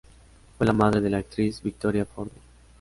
Fue la madre de la actriz Victoria Forde.